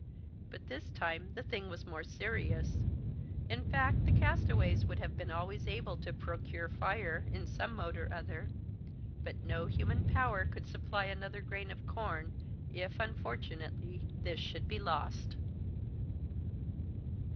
But this time the thing was more serious. In fact, the castaways would have been always able to procure fire, in some mode or other, but no human power could supply another grain of corn, if unfortunately this should be lost!